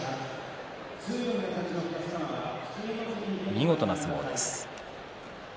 見事な相撲です。